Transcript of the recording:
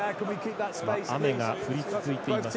雨が降り続いています。